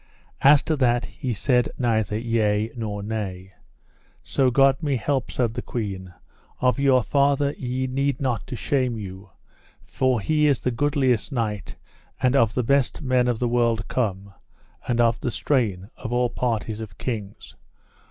As to that, he said neither yea nor nay. So God me help, said the queen, of your father ye need not to shame you, for he is the goodliest knight, and of the best men of the world come, and of the strain, of all parties, of kings.